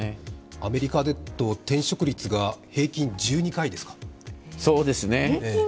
アメリカだと転職率が平均１２回ですか。